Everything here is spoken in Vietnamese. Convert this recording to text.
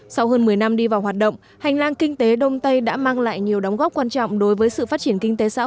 sau hơn một mươi năm đi vào hoạt động hành lang kinh tế đông tây đã mang lại nhiều đóng góp quan trọng đối với sự phát triển kinh tế xã hội